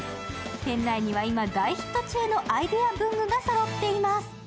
店内には今大ヒット中のアイデア文具がそろっています。